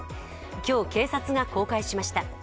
今日、警察が公開しました。